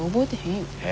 え？